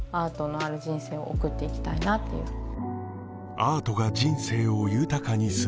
アートが人生を豊かにする